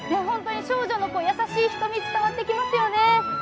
少女の優しい瞳、伝わってきますよね。